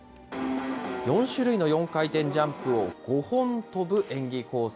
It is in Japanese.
４種類の４回転ジャンプを５本跳ぶ演技構成。